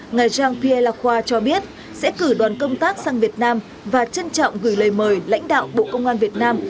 ngày giang pia lacqua cho biết sẽ cử đoàn công tác sang việt nam và trân trọng gửi lời mời lãnh đạo bộ công an việt nam